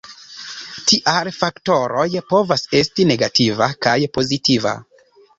Tial, faktoroj povas esti negativa kaj pozitiva.